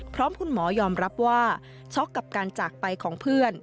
พร้อมคุณหมอยอมรับว่าช็อกกับการจากไปของเพื่อน